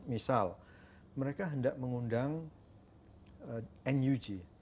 misal mereka hendak mengundang nug